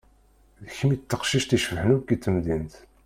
D kemm i d taqcict i icebḥen akk g temdint.